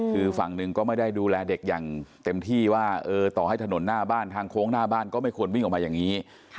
คือฝั่งหนึ่งก็ไม่ได้ดูแลเด็กอย่างเต็มที่ว่าต่อให้ถนนหน้าบ้านทางโค้งหน้าบ้านก็ไม่ควรวิ่งออกมาอย่างนี้